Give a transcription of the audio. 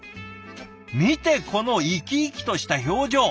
見てこの生き生きとした表情！